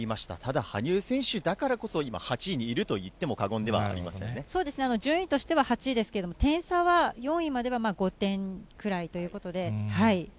ただ、羽生選手だからこそ今、８位にいるといっても過言ではありませんそうですね、順位としては８位ですけれども、点差は４位までは５点くらいということで。